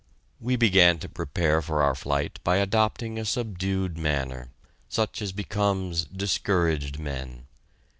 We began to prepare for our flight by adopting a subdued manner, such as becomes discouraged men.